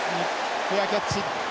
フェアキャッチ。